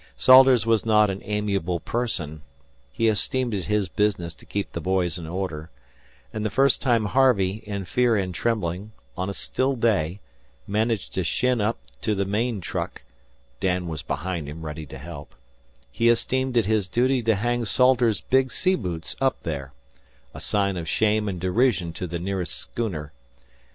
Salters was not an amiable person (He esteemed it his business to keep the boys in order); and the first time Harvey, in fear and trembling, on a still day, managed to shin up to the main truck (Dan was behind him ready to help), he esteemed it his duty to hang Salters's big sea boots up there a sight of shame and derision to the nearest schooner.